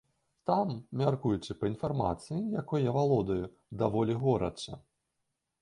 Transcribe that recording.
Там, мяркуючы па інфармацыі, якой я валодаю, даволі горача.